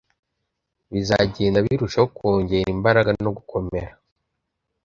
bizagenda birushaho kongera imbaraga no gukomera